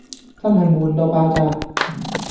真係悶到爆炸